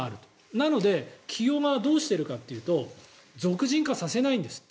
なので、企業側はどうしているかというと属人化させないんですって。